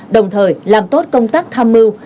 đồng thời làm tốt công tác tham mưu